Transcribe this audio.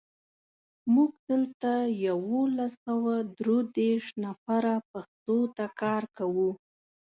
موږ دلته یولس سوه درودېرش نفره پښتو ته کار کوو.